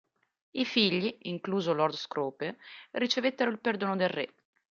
I figli, incluso Lord Scrope, ricevettero il perdono del Re.